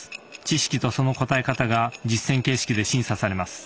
知識とその答え方が実践形式で審査されます。